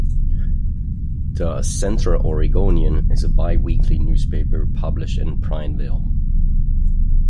The "Central Oregonian" is a bi-weekly newspaper published in Prineville.